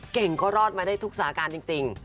เก่งก็รอดมาได้ทุกสถานการณ์จริง